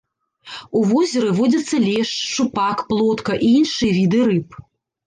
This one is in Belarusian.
У возеры водзяцца лешч, шчупак, плотка і іншыя віды рыб.